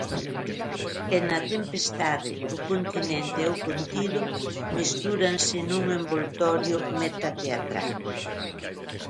E n'A tempestade, o continente e o contido mestúranse nun envoltorio metateatral.